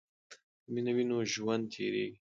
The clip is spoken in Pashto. که مینه وي نو ژوند تیریږي.